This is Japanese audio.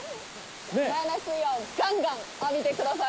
マイナスイオンガンガン浴びてください。